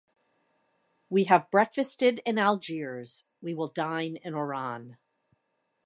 We have breakfasted in Algiers, we will dine in Oran.